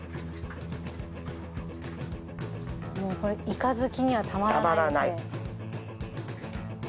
もうこれイカ好きにはたまらないですね。